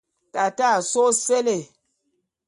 Tate a só ôséle.